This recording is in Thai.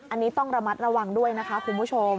อันนี้ต้องระมัดระวังด้วยนะคะคุณผู้ชม